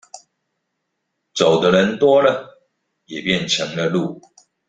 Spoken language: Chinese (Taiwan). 走的人多了，也便成了路